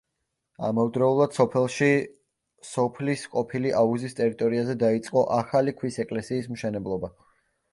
ამავდროულად სოფელში სოფლის ყოფილი აუზის ტერიტორიაზე დაიწყო ახალი ქვის ეკლესიის მშენებლობა.